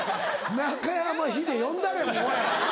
中山ヒデ呼んだれおい。